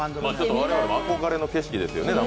我々も憧れの景色ですよね。